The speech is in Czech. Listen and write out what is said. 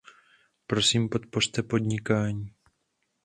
Prosím podpořte podnikání.